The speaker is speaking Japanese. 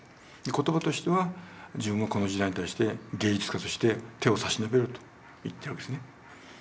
言葉としては自分はこの時代に対して芸術家として手を差し伸べると言ってるわけですね。